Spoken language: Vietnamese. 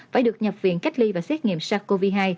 phải được nhập viện cách ly và xét nghiệm sars cov hai